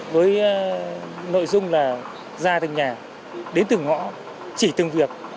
với nội dung là ra từng nhà đến từng ngõ chỉ từng việc